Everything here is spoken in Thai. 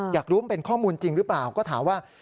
อยากรู้มันเป็นข้อมูลจริงหรือเปล่าก็ถามว่า